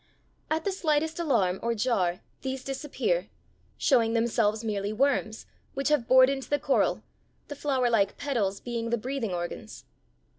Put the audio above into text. At the slightest alarm or jar these disappear, showing themselves merely worms, which have bored into the coral, the flowerlike petals being the breathing organs.